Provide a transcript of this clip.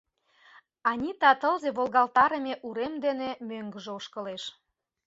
Анита тылзе волгалтарыме урем дене мӧҥгыжӧ ошкылеш.